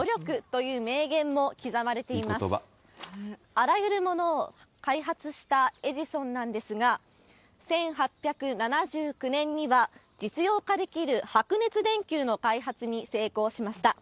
あらゆるものを開発したエジソンなんですが、１８７９年には実用化できる白熱電球の開発に成功しました。